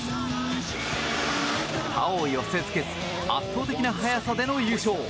他を寄せ付けず圧倒的な速さでの優勝。